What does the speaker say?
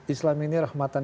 islam ini rahmatan